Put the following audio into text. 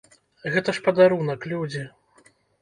Гэта ж падарунак, людзі!